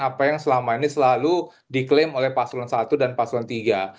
apa yang selama ini selalu diklaim oleh pasulun i dan pasulun iii